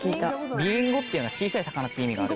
ビリンゴっていうのは小さい魚っていう意味がある。